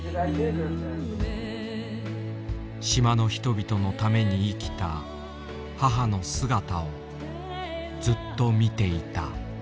島の人々のために生きた母の姿をずっと見ていた。